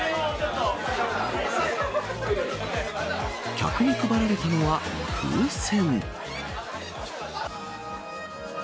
客に配られたのは風船。